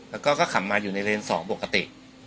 แล้วก็ขับมาอยู่ในเลนส์๒ปกติ